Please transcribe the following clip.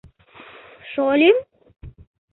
Шольым?